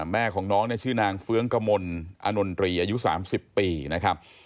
แม่ของน้องเนี่ยชื่อนางเฟื้องกมลอานนตรีอายุ๓๐ปีนะครับ